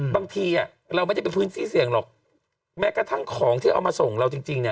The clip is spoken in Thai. บางทีอ่ะเราไม่ได้เป็นพื้นที่เสี่ยงหรอกแม้กระทั่งของที่เอามาส่งเราจริงจริงเนี่ย